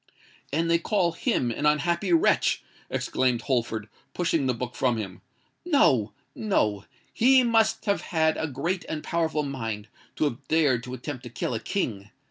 "And they call him an unhappy wretch!" exclaimed Holford, pushing the book from him: "no—no! He must have had a great and a powerful mind to have dared to attempt to kill a King!